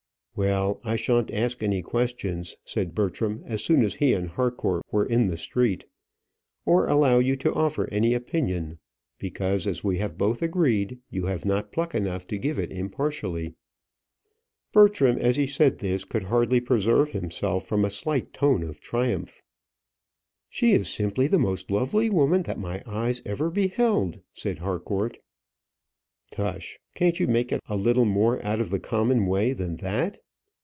"Well, I shan't ask any questions," said Bertram, as soon as he and Harcourt were in the street, "or allow you to offer any opinion; because, as we have both agreed, you have not pluck enough to give it impartially." Bertram as he said this could hardly preserve himself from a slight tone of triumph. "She is simply the most most lovely woman that my eyes ever beheld," said Harcourt. "Tush! can't you make it a little more out of the common way than that?